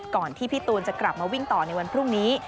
ที่พี่ตูนจะกลับมาวิ่งต่อในวันพรุ่งนี้